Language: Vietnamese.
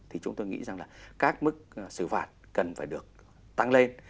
thì chúng tôi nghĩ rằng là các mức xử phạt cần phải được tăng lên